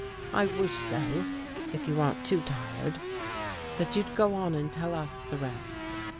I wish, though, if you aren't too tired, that you'd go on and tell us the rest."